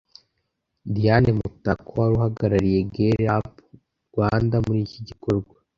Diane Mutako wari uhagarariye Girl up Rwanda muri iki gikorwa